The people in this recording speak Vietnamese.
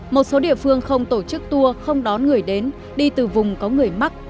một số địa phương không tổ chức tour không đón người đến đi từ vùng có người mắc